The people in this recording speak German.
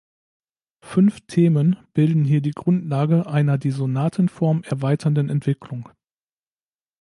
Fünf Themen bilden hier die Grundlage einer die Sonatenform erweiternden Entwicklung.